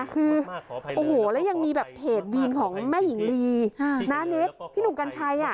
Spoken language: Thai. คือโอ้โหแล้วยังมีแบบเพจวีนของแม่หญิงลีน้าเน็กพี่หนุ่มกัญชัย